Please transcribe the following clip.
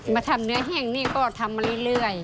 มาทำเนื้อเฮียงนี่ก็ทำมาเรื่อย